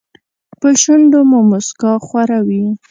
په شونډو مو موسکا خوره وي .